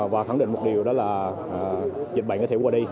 và khẳng định một điều đó là dịch bệnh sẽ thiếu qua đi